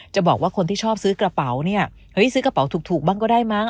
บอกว่าคนที่ชอบซื้อกระเป๋าเนี่ยเฮ้ยซื้อกระเป๋าถูกบ้างก็ได้มั้